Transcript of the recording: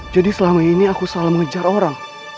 jadi selama ini aku salah mengejar orang